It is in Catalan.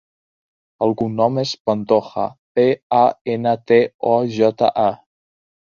El cognom és Pantoja: pe, a, ena, te, o, jota, a.